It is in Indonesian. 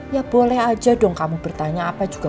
ya boleh aja dong kamu bertanya apa juga